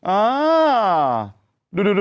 อ้าว